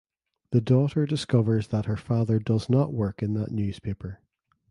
The daughter discovers that her father does not work in that newspaper.